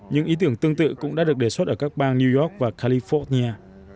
những ý tưởng tương tự cũng đã được đề xuất ở các bang new york và california